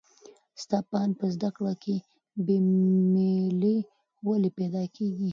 ستا په اند په زده کړه کې بې میلي ولې پیدا کېږي؟